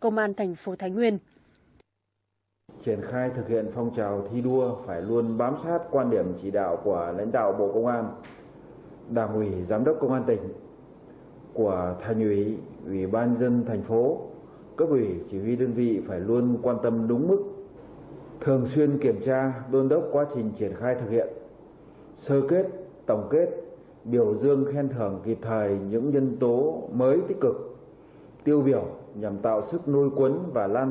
công an thái nguyên đã xây dựng nhiều mô hình hình thức thi đua phù hợp với mục tiêu xây dựng lực lượng vững vẻ chính trị giỏi về chuyên môn mưu trí dũng cảm vì nước quen thân vì nước quen thân vì nước quen thân